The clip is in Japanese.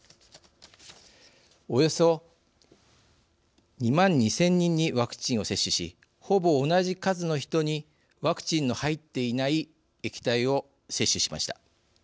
およそ２万２０００人にワクチンを接種しほぼ同じ数の人にワクチンの入っていない液体を接種しました。